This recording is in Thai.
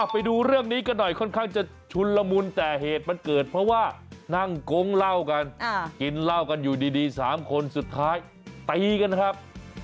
ไปดูเรื่องนี้กันหน่อยค่อนข้างจะชุนละมุนแต่เหตุมันเกิดเพราะว่านั่งโก๊งเหล้ากันกินเหล้ากันอยู่ดี๓คนสุดท้ายตีกันครับ